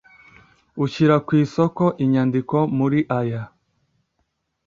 Ushyira ku isoko inyandiko muri aya